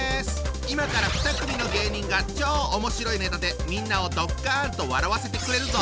今から２組の芸人が超おもしろいネタでみんなをドッカンと笑わせてくれるぞ！